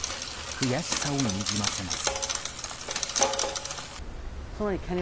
悔しさをにじませます。